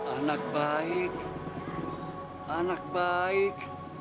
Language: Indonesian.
anak baik anak baik